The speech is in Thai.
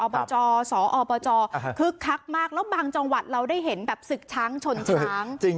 สอบจคึกคักมากแล้วบางจังหวัดเราได้เห็นแบบศึกช้างชนช้าง